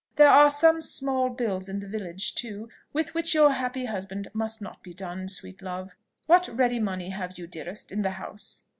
There are some small bills in the village, too, with which your happy husband must not be dunned, sweet love. What ready money have you, dearest, in the house?"